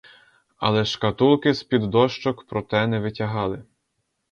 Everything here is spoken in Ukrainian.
Але шкатулки з-під дощок, проте, не витягали.